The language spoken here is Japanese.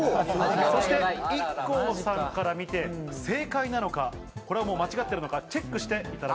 そしてＩＫＫＯさんから見て正解なのかこれはもう間違ってるのかチェックしていただこうと思います。